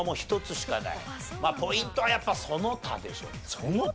ポイントはやっぱその他でしょうね。